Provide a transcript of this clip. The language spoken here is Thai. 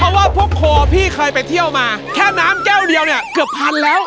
เพราะว่าพวกโคพี่เคยไปเที่ยวมาแค่น้ำแก้วเดียวเนี่ยเกือบพันแล้ว